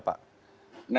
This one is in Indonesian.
apa yang terjadi pak